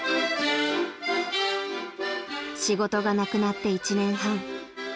［仕事がなくなって１年半］